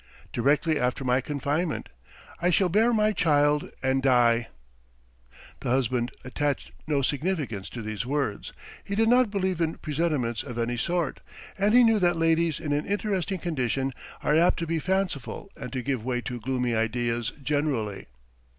"'Directly after my confinement. I shall bear my child and die.' "The husband attached no significance to these words. He did not believe in presentiments of any sort, and he knew that ladies in an interesting condition are apt to be fanciful and to give way to gloomy ideas generally.